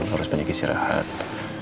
harus banyak istirahat